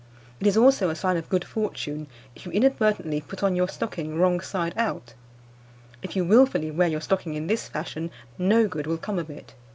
It is also a sign of good fortune if you inadvertently put on your stocking wrong side out. If you wilfully wear your stocking in this fashion, no good will come of it.